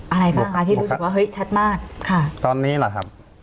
อะไรบ้างคะที่รู้สึกว่าเฮ้ยชัดมากค่ะตอนนี้เหรอครับ